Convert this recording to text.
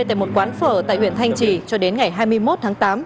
tại một quán phở tại huyện thanh trì cho đến ngày hai mươi một tháng tám